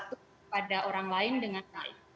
untuk membuat sesuatu pada orang lain dengan baik